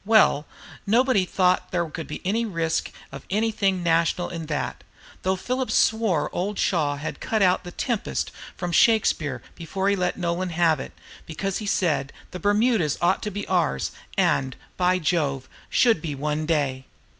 Well, nobody thought there could be any risk of anything national in that, though Phillips swore old Shaw had cut out the "Tempest" from Shakespeare before he let Nolan have it, because he said "the Bermudas ought to be ours, and, by Jove, should be one day."